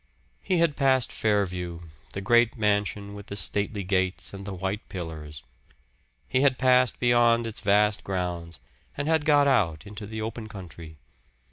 He had passed "Fairview," the great mansion with the stately gates and the white pillars. He had passed beyond its vast grounds, and had got out into the open country.